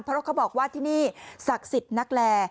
เพราะเขาบอกว่าที่นี่ศักดิ์สิทธิ์นักแล